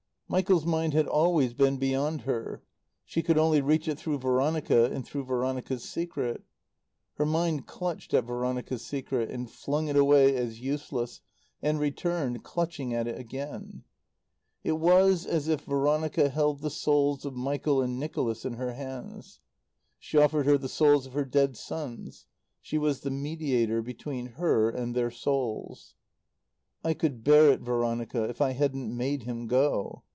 Michael's mind had always been beyond her; she could only reach it through Veronica and through Veronica's secret. Her mind clutched at Veronica's secret, and flung it away as useless, and returned, clutching at it again. It was as if Veronica held the souls of Michael and Nicholas in her hands. She offered her the souls of her dead sons. She was the mediator between her and their souls. "I could bear it, Veronica, if I hadn't made him go.